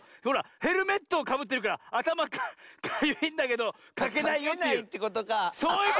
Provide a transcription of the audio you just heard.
ほらヘルメットをかぶってるからあたまかゆいんだけどかけないよっていう。